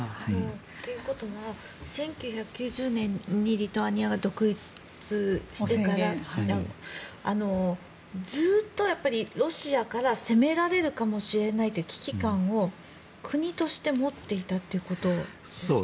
ということは１９９０年にリトアニアが独立してからずっとロシアから攻められるかもしれないという危機感を国として持っていたということですか。